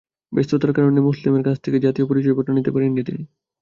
ব্যস্ততার কারণে মোসলেমের কাছ থেকে জাতীয় পরিচয়পত্র নিতে পারেননি তিনি।